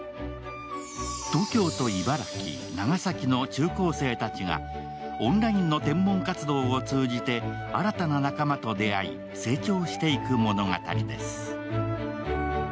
東京と茨城、長崎の中高生たちがオンラインの天文活動を通じて新たな仲間と出会い、成長していく物語です。